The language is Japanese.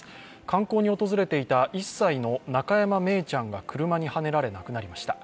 観光に訪れていた１歳中山愛季ちゃんが車にはねられ亡くなりました。